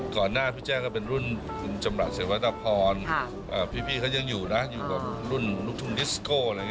ก่อนหน้าพี่แจ้ก็เป็นรุ่นจำหลักเศรษฐพรพี่เขายังอยู่นะอยู่กับรุ่นทุนนิสโก